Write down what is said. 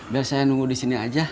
biar saya nunggu di sini aja